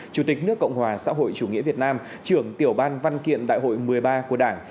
chủ tịch nước cộng hòa xã hội chủ nghĩa việt nam trưởng tiểu ban văn kiện đại hội một mươi ba của đảng